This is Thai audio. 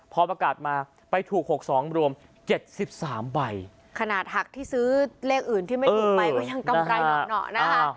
พอประกาศมาไปถูกหกสองรวมเจ็ดสิบสามใบขนาดหักที่ซื้อเลขอื่นที่ไม่ถูกไปก็ยังกำไรเหนาะนะคะ